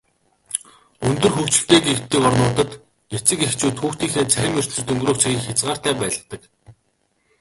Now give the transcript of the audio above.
Өндөр хөгжилтэй гэгддэг орнуудад эцэг эхчүүд хүүхдүүдийнхээ цахим ертөнцөд өнгөрөөх цагийг хязгаартай байлгадаг.